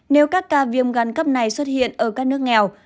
nếu các ca viêm gan cấp này xuất hiện ở các nước nghèo